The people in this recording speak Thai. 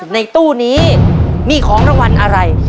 ในตู้นี้มีของรางวัลอะไร